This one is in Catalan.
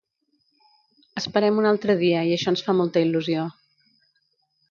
Esperem un altre dia i això ens fa molta il·lusió.